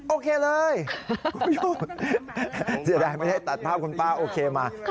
โอเคเลยสิดีใจไม่ได้ตัดภาพคุณป้าโอเคมา